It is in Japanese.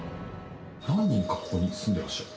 何人かここに住んでらっしゃる？